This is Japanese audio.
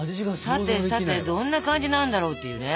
さてさてどんな感じになんだろうっていうね。